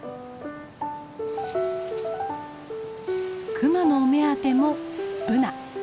クマのお目当てもブナ。